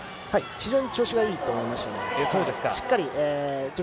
非常に調子がいいと思いました。